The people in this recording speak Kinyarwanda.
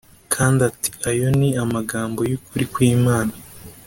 Kandi ati “Ayo ni amagambo y’ukuri kw’Imana.”